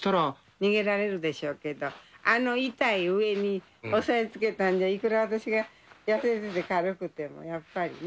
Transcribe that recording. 逃げられるでしょうけど、あの痛い上に押さえつけたんじゃ、いくら私が痩せてて軽くてもやっぱりね。